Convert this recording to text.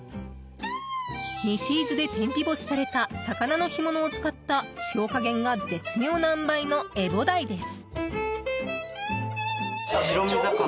西伊豆で天日干しされた魚の干物を使った塩加減が絶妙なあんばいのえぼ鯛です。